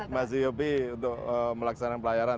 masih yobi untuk melaksanakan pelayaran